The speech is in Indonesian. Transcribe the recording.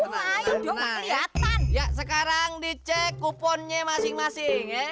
nah sekarang dicek kuponnya masing masing